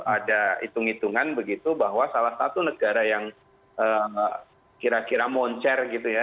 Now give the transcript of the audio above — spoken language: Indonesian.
ada hitung hitungan begitu bahwa salah satu negara yang kira kira moncer gitu ya